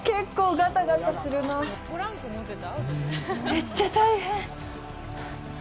めっちゃ大変。